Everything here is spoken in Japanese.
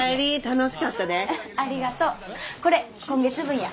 これ今月分や。